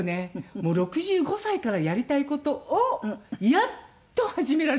もう６５歳からやりたい事をやっと始められると思って。